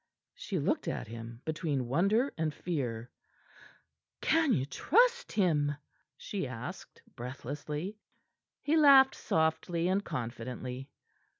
She looked at him, between wonder and fear. "Can ye trust him?" she asked breathlessly. He laughed softly and confidently.